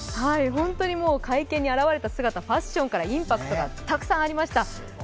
本当に会見に現れた姿、インパクトがたくさんありました。